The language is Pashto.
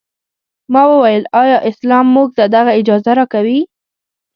ما وویل ایا اسلام موږ ته دغه اجازه راکوي.